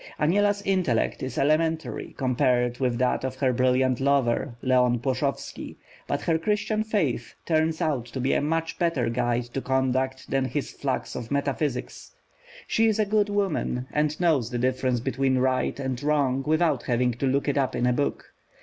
Aniela's intellect is elementary compared with that of her brilliant lover, Leon Ploszowski. But her Christian faith turns out to be a much better guide to conduct than his flux of metaphysics. She is a good woman, and knows the difference between right and wrong without having to look it up in a book.